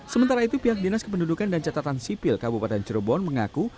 sementara itu pihak dinas kependudukan dan catatan sipil kabupaten cirebon mengaku